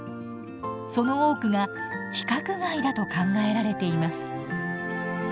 その多くが規格外だと考えられています。